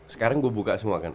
sekarang gue buka semua kan